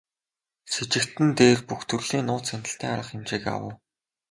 Сэжигтэн дээр бүх төрлийн нууц хяналтын арга хэмжээг авав.